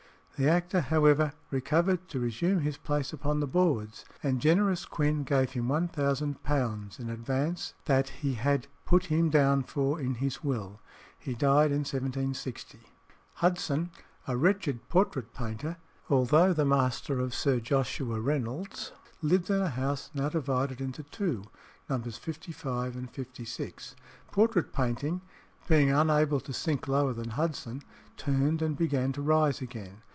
The actor, however, recovered to resume his place upon the boards, and generous Quin gave him £1000 in advance that he had put him down for in his will. He died in 1760. Hudson, a wretched portrait painter, although the master of Sir Joshua Reynolds, lived in a house now divided into two, Nos. 55 and 56. Portrait painting, being unable to sink lower than Hudson, turned and began to rise again.